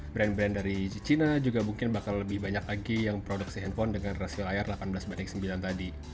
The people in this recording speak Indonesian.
brand brand dari cina juga mungkin bakal lebih banyak lagi yang produksi handphone dengan rasio layar delapan belas banding sembilan tadi